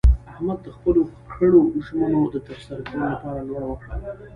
احمد د خپلو کړو ژمنو د ترسره کولو لپاره لوړه وکړله.